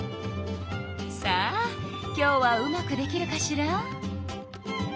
さあ今日はうまくできるかしら？